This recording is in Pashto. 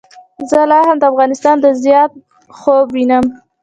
زه لا هم د افغانستان د زیان خوب وینم.